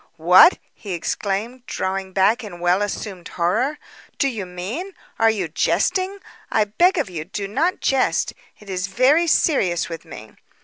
"What!" he exclaimed, drawing back in well assumed horror. "Do you mean are you jesting? I beg of you, do not jest. It is very serious with me."